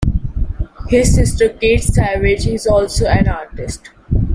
His sister Kate Savage is also an artist.